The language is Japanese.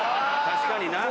確かにな。